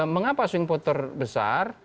mengapa swing voter besar